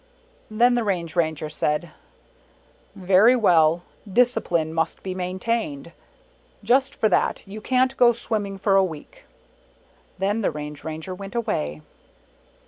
24 Then the Range Ranger said, "Very well, dis cipline must be maintained. Just for that you can't go swimming for a week." Then the Range Ranger went away.